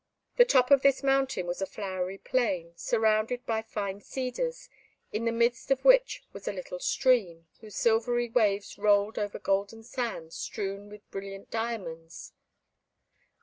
The top of this mountain was a flowery plain, surrounded by fine cedars, in the midst of which was a little stream, whose silvery waves rolled over golden sands strewn with brilliant diamonds.